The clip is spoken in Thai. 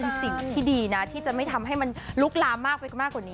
เป็นสิ่งที่ดีนะที่จะไม่ทำให้มันลุกลามมากไปมากกว่านี้